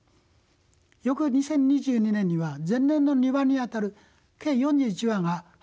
翌２０２２年には前年の２倍にあたる計４１羽が繁殖しました。